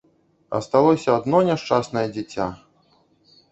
Асталося адно няшчаснае дзіця.